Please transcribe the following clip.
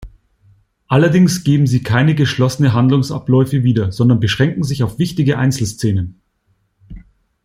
Allerdings geben sie keine geschlossene Handlungsabläufe wieder, sondern beschränken sich auf wichtige Einzelszenen.